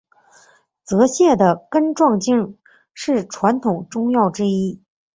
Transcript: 泽泻的根状茎是传统中药之一。